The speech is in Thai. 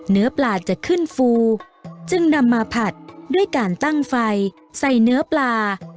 เนื้อปลาจะขึ้นฟูจึงนำมาผัดด้วยการตั้งไฟใส่เนื้อปลา